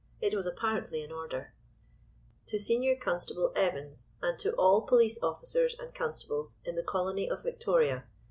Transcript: It was apparently in order:— "To Senior Constable Evans and to all Police Officers and Constables in the Colony of Victoria.